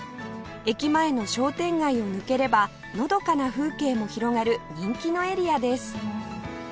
駅前の商店街を抜ければのどかな風景も広がる人気のエリアです